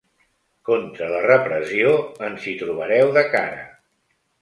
Contra la repressió, ens hi trobareu de cara.